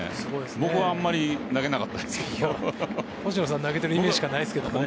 僕はあまり投げなかったですけど星野さん投げてるイメージしかないですけど。